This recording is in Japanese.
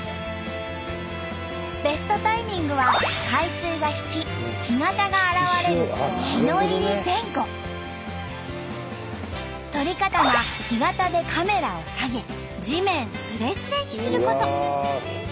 ベストタイミングは海水が引き撮り方は干潟でカメラを下げ地面スレスレにすること。